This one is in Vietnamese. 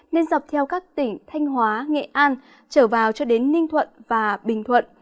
nên dọc theo các tỉnh thanh hóa nghệ an trở vào cho đến ninh thuận và bình thuận